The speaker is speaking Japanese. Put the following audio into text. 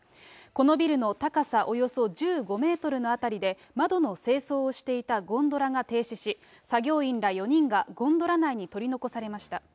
このビルの高さおよそ１５メートルの辺りで、窓の清掃をしていたゴンドラが停止し、作業員ら４人がゴンドラ内に取り残されました。